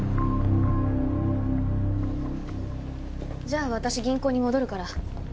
じゃあ私銀行に戻るから。